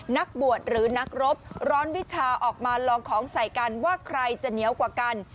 นักบวชหรือนักรบร้อนวิชาออกมาลองของใส่กันว่าใครจะเหนียวกว่ากัน